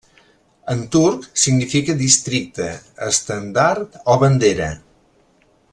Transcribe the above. En turc, significa 'districte', 'estendard' o 'bandera'.